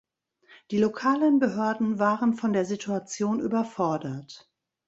Die lokalen Behörden waren von der Situation überfordert.